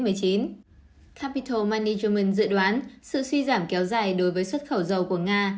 tại vì covid một mươi chín capital management dự đoán sự suy giảm kéo dài đối với xuất khẩu dầu của nga